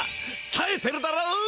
さえてるだろ！